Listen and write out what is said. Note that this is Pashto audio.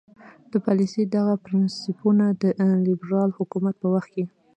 د پالیسۍ دغه پرنسیپونه د لیبرال حکومت په وخت کې.